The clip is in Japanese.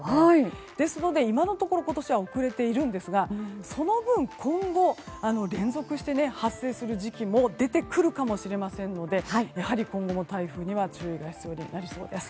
ですので、今のところ今年は遅れていますがその分、今後連続して発生する時期も出てくるかもしれないのでやはり今後も台風には注意が必要になりそうです。